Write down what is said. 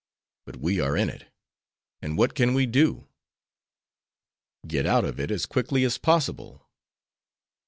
But we are in it, and what can we do?" "Get out of it as quickly as possible."